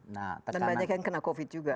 dan banyak yang kena covid juga